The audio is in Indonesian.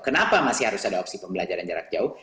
kenapa masih harus ada opsi pembelajaran jarak jauh